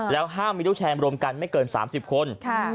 แล้วห้ามมีลูกแชร์รวมกันไม่เกิน๓๐คน